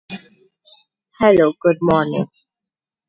Rocks containing amygdules can be described as "amygdaloidal".